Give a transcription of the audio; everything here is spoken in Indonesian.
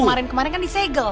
kemarin kemarin kan disegel